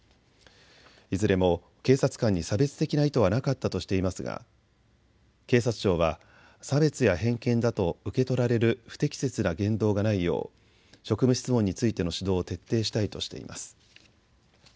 いずれも警察官に差別的な意図はなかったとしていますが警察庁は差別や偏見だと受け取られる不適切な言動がないよう職務質問についての指導を徹底したいとしています。